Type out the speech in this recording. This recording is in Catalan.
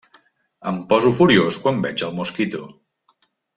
Em poso furiós quan veig el Mosquito.